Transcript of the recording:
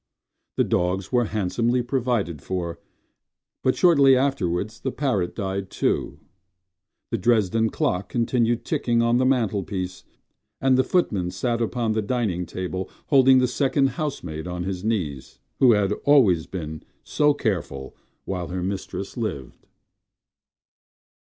The dogs were handsomely provided for, But shortly afterwards the parrot died too. The Dresden clock continued ticking on the mantelpiece, And the footman sat upon the dining table Holding the second housemaid on his knees— Who had always been so careful while her mistress lived.